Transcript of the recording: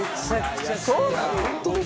そうなの？